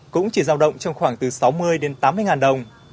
cũng chỉ giao động trong khoảng từ sáu mươi đến tám mươi ngàn đồng